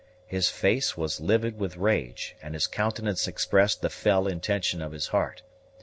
His face was livid with rage, and his countenance expressed the fell intention of his heart.